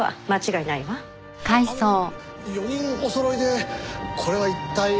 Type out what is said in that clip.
あの４人おそろいでこれは一体。